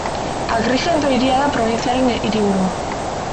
Agrigento hiria da probintziaren hiriburua.